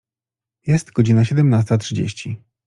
Jest godzina siedemnasta trzydzieści.